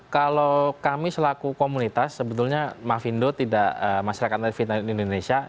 kalau kami selaku komunitas sebetulnya mafindo tidak masyarakat indonesia